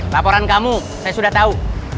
laporan kamu saya sudah tahu